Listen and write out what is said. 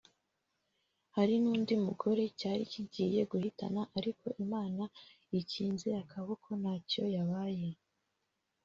hari n’undi mugore cyari kigiye guhitana ariko Imana ikinze akaboko ntacyo yabaye